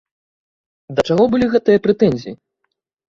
Да чаго былі гэтыя прэтэнзіі?